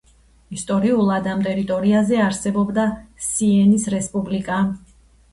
ისტორიულად, ამ ტერიტორიაზე არსებობდა სიენის რესპუბლიკა.